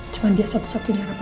cuman dia satu satunya harapan mama